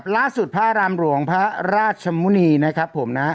ล่าสุดพระรามหลวงพระราชมุชนีนะครับผม